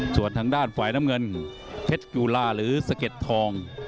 ส่วนทางด้านฝ่ายน้ำเงินเพชรจุลาหรือสะเก็ดทอง